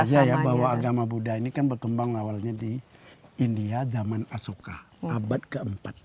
saya rasa ya bahwa agama buddha ini kan berkembang awalnya di india zaman asoka abad ke empat